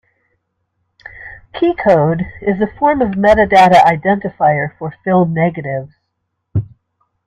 Keykode is a form of metadata identifier for film negatives.